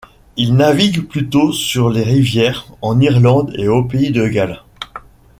Il navigue plutôt sur les rivières, en Irlande et au Pays de Galles.